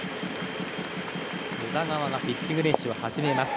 宇田川がピッチング練習を始めます。